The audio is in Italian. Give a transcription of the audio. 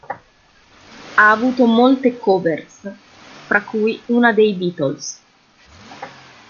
Ha avuto molte "covers", fra cui una dei Beatles.